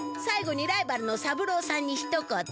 さい後にライバルの三郎さんにひと言。